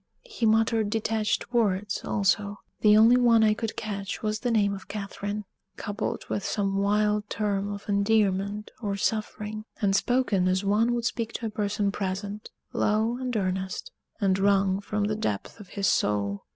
He muttered detached words also; the only one I could catch was the name of Catherine, coupled with some wild term of endearment or suffering, and spoken as one would speak to a person present low and earnest, and wrung from the depth of his soul.